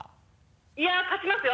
いや勝ちますよ。